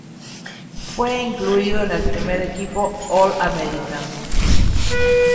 Fue incluido en en el primer equipo All-American.